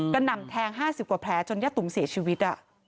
กระหน่ำแทงห้าสิบกว่าแพ้จนยะตุ๋มเสียชีวิต